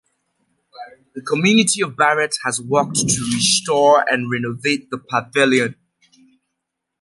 The community of Barrett has worked to restore and renovate the Pavilion.